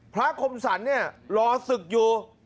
คมสรรเนี่ยรอศึกอยู่